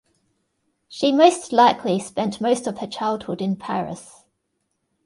She most likely spent most of her childhood in Paris.